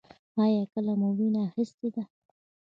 ایا کله مو وینه اخیستې ده؟